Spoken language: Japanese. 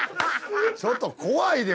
ちょっと怖いで！